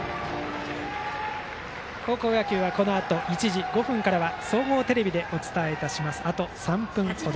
高校野球はこのあと１時５分から総合テレビでお伝えいたします。